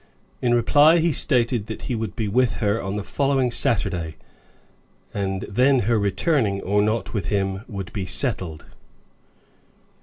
In reply, he stated that he would be with her on the following Saturday, and then her returning, or not, with him could be settled.